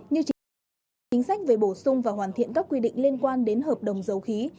như chính sách về bổ sung và hoàn thiện các quy định liên quan đến hợp đồng dầu khí